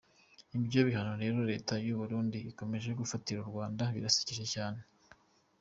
Ibyo bihano rero leta y’u Burundi ikomeje gufatira u Rwanda birashekeje cyane.